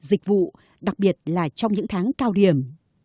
dịch vụ đặc biệt là trong những tháng cao điểm